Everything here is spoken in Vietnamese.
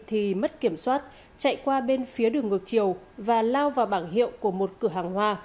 thì mất kiểm soát chạy qua bên phía đường ngược chiều và lao vào bảng hiệu của một cửa hàng hoa